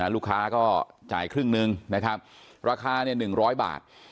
ลูกค้าก็จ่ายครึ่งหนึ่งนะครับราคา๑๐๐บาท